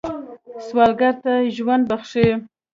سوالګر ته ژوند بخښئ